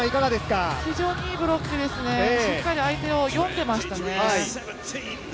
非常にいいブロックですね、しっかり相手を読んでましたね。